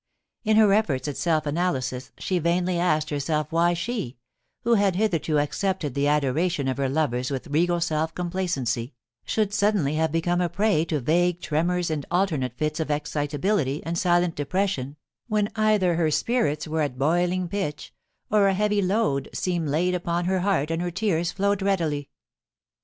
In her efforts at self analysis she vainly asked herself why she, who had hitherto accepted the adoration of her lovers with regal self complacency, should suddenly have become a prey to vague tremors and alternate fits of excitability and silent depression, when either her spirits were at boiling pitch, or a heavy load seemed laid upon her heart and her tears flowed readily.